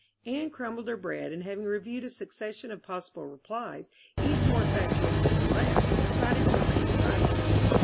Anne crumbled her bread, and having reviewed a succession of possible replies, each more fatuous than the last, decided to remain silent.